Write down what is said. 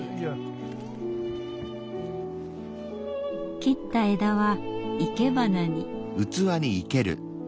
切った枝は生け花に。